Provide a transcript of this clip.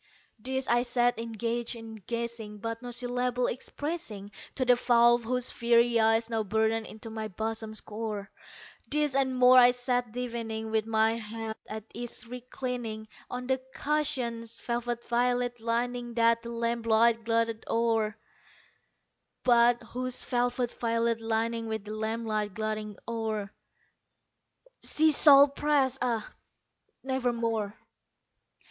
This I sat engaged in guessing, but no syllable expressing To the fowl whose fiery eyes now burned into my bosom's core; This and more I sat divining, with my head at ease reclining On the cushion's velvet violet lining that the lamp light gloated o'er, But whose velvet violet lining with the lamp light gloating o'er, She shall press, ah, nevermore!